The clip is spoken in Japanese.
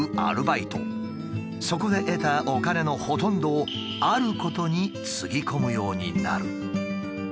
そこで得たお金のほとんどをあることにつぎ込むようになる。